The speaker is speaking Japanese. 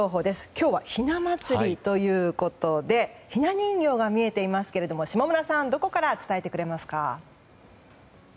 今日は、ひな祭りということでひな人形が見えていますけれども下村さんどこから伝えてくれますか？